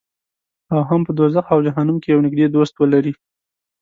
او هم په دوزخ او جهنم کې یو نږدې دوست ولري.